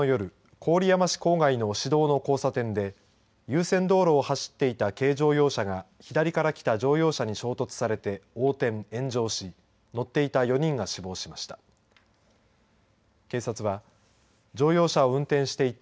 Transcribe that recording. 郡山市郊外の市道の交差点で優先道路を走っていた軽乗用車が左から来た乗用車に衝突されて横転、炎上し乗っていた４人が死亡しました。